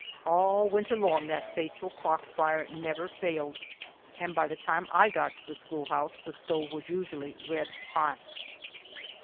All winter long that faithful clock fire never failed, and by the time I got to the schoolhouse the stove was usually red hot.